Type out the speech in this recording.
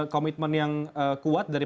komitmen yang kuat dari